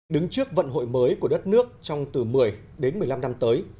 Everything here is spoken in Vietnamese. đứng trước vận hội mới của đất nước trong từ một mươi đến một mươi năm năm tới